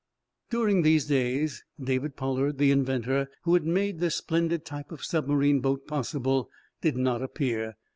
During these days David Pollard, the inventor who had made this splendid type of submarine boat possible, did not appear.